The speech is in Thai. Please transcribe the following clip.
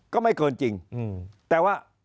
ก็ไม่เกินจริงแต่ว่า